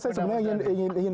saya sebenarnya ingin